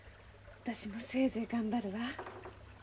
私もせいぜい頑張るわ。